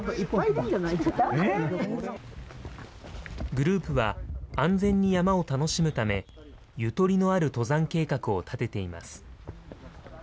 グループは安全に山を楽しむため、ゆとりのある登山計画を立てています。